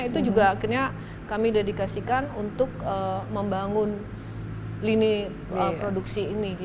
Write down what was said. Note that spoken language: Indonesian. itu juga akhirnya kami dedikasikan untuk membangun lini produksi ini